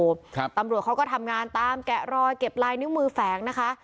ครับตำรวจเขาก็ทำงานตามแกะรอยเก็บลายนิ้วมือแฝงนะคะ